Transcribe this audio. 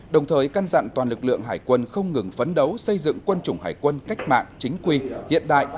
đồng thời căn dặn toàn lực lượng hải quân không ngừng phấn đấu xây dựng quân chủng hải quân cách mạng chính quy hiện đại